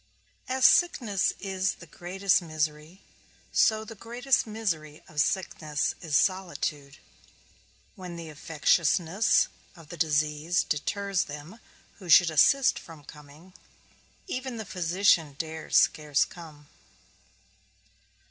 As sickness is the greatest misery, so the greatest misery of sickness is solitude; when the infectiousness of the disease deters them who should assist from coming; even the physician dares scarce come.